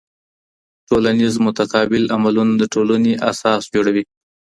ټولنيز متقابل عملونه د ټولني اساس جوړوي.